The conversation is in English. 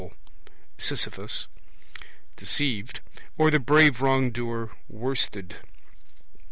Sisyphus) deceived, or the brave wrongdoer worsted.